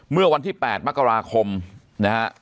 เมื่อวันที่๘มกราคมนะฮะ